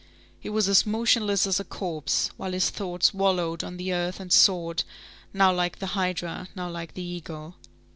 He was as motionless as a corpse, while his thoughts wallowed on the earth and soared, now like the hydra, now like the eagle.